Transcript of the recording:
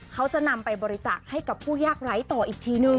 เขาจะนำไปบริจาคให้กับผู้ยากไร้ต่ออีกทีนึง